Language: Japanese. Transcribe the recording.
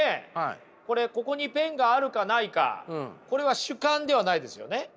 これここにペンがあるかないかこれは主観ではないですよね。